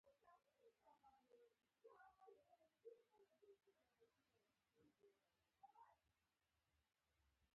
په ټرانسفرمر کی فریکوینسي ثابته پاتي کیږي.